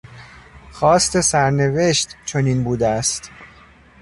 خواست سرنوشت چنین بوده است.